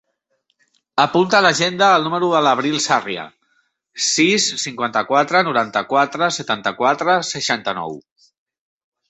Apunta a l'agenda el número de l'Abril Sarria: sis, cinquanta-quatre, noranta-quatre, setanta-quatre, seixanta-nou.